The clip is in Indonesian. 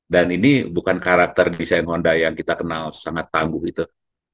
dan ini bukan karakter desain honda yang kita kenal sangat tangguh gitu